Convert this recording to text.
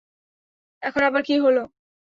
এখন আবার কি হল?